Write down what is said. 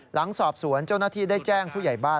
หลังสอบสวนเจ้าหน้าที่ได้แจ้งผู้ใหญ่บ้าน